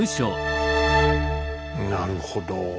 なるほど。